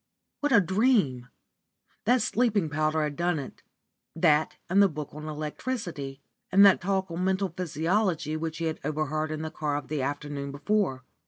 What a dream! That sleeping powder had done it that, and the book on electricity, and that talk on mental physiology which he had overheard in the car the afternoon before.